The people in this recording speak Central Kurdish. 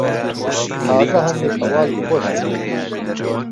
تازە هەندێک هەواڵی خۆشم پێ گەیشت.